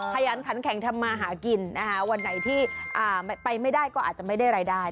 ขยันขันแข็งทำมาหากินนะคะวันไหนที่ไปไม่ได้ก็อาจจะไม่ได้รายได้